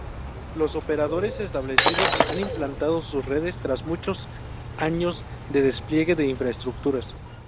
Los operadores establecidos han implantado sus redes tras muchos años de despliegue de infraestructuras.